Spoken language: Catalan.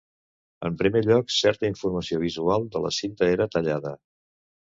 En primer lloc, certa informació visual de la cinta era tallada.